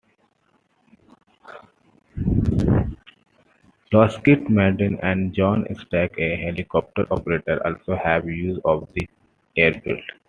Lockheed Martin and Jon Stark, a helicopter operator, also have use of the airfield.